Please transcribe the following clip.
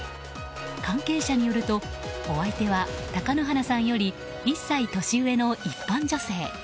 関係者によるとお相手は貴乃花さんより１歳年上の一般女性。